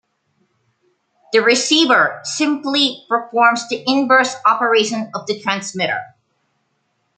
The receiver simply performs the inverse operation of the transmitter.